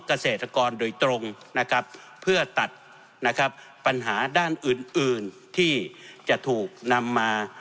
เกษตรกรโดยตรงนะครับเพื่อตัดนะครับปัญหาด้านอื่นอื่นที่จะถูกนำมา